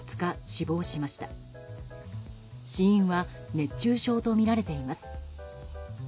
死因は熱中症とみられています。